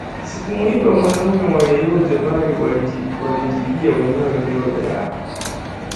Sikumuiba mwanaume wa yeyote bali walijiibia wenyewe mioyo yao